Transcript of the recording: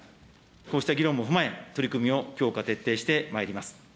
こうした議論も踏まえ、取り組みを強化徹底してまいります。